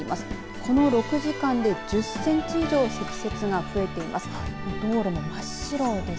この６時間で１０センチ以上積雪が増えています。